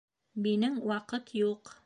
Минең ваҡыт юҡ.